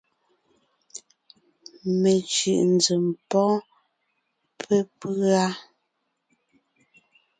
Mencʉ̀ʼ nzèm pɔ́ɔn pépʉ́a: